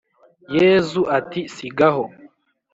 Yezu ati sigaho